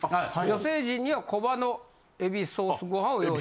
女性陣にはコバのえびソースご飯を用意。